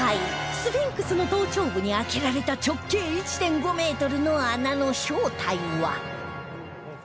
スフィンクスの頭頂部に開けられた直径 １．５ メートルの穴の正体は？